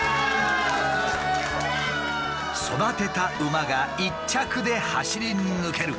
育てた馬が１着で走り抜ける。